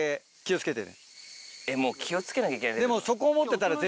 もう気を付けなきゃいけないって。